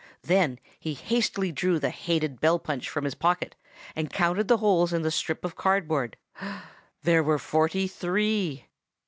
Then he hastily drew the hated bell punch from his pocket, and counted the holes in the strip of cardboard; there were forty three!